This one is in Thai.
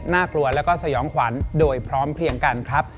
กลัวแล้วก็สยองขวัญโดยพร้อมเพียงกันครับ